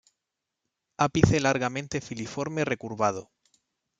Ápice largamente filiforme, recurvado.